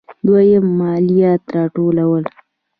دویم: مالیات راټولول.